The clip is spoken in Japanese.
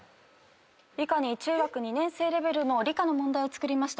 「以下に中学２年生レベルの理科の問題を作りました。